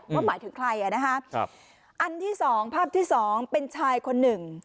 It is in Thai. หมายถึงใครอ่ะนะคะครับอันที่สองภาพที่สองเป็นชายคนหนึ่ง